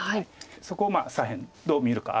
そこを左辺どう見るか。